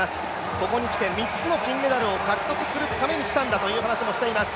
ここにきて、３つの金メダルを獲得するために来たんだという話もしています。